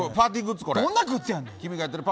どんなグッズやねん。